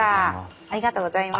ありがとうございます。